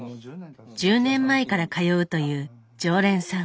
１０年前から通うという常連さん。